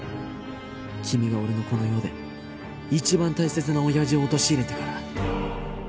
君が俺のこの世で一番大切な親父を陥れてから